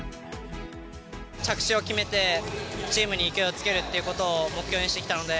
着地を決めて、チームに勢いをつけるっていうことを目標にしてきたので。